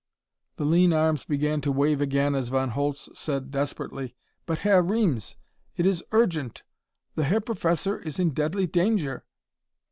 The lean arms began to wave again as Von Holtz said desperately: "But Herr Reames, it is urgent! The Herr Professor is in deadly danger!"